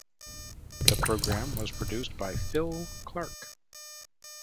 The programme was produced by Phil Clark.